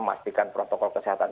memastikan protokol kesehatan